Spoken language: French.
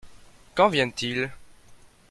Quand viennent-ils ?